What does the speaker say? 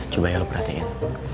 coba ya lo perhatikan